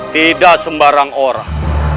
tidak sembarang orang